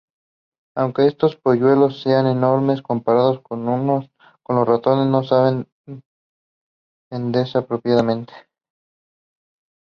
Aunque estos polluelos sean enormes comparados con los ratones, no saben defenderse apropiadamente.